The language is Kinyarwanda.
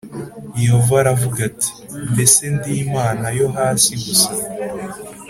Yehova aravuga ati “mbese ndi Imana yo hasi gusa?”